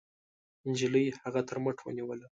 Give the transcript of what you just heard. نجلۍ هغه تر مټ ونيوله.